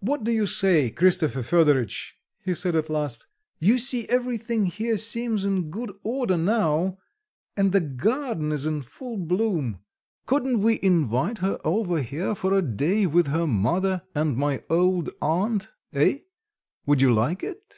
"What do you say, Christopher Fedoritch," he said at last, "you see everything here seems in good order now, and the garden is in full bloom, couldn't we invite her over here for a day with her mother and my old aunt... eh? Would you like it?"